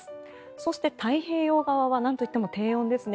そして、太平洋側はなんといっても低温ですね。